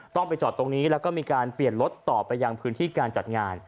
ต้องไปจอดตรงนี้แล้วก็มีการเปลี่ยนรถต่อไปยังพื้นที่การจัดงาน